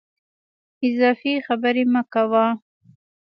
اضافي خبري مه کوه !